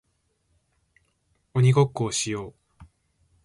鬼ごっこをしよう